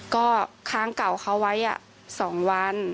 ก็ค้างเก่าเขาไว้๒วัน